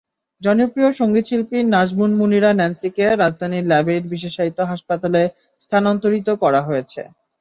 জনপ্রিয় সংগীতশিল্পী নাজমুন মুনিরা ন্যান্সিকে রাজধানীর ল্যাবএইড বিশেষায়িত হাসপাতালে স্থানান্তরিত করা হয়েছে।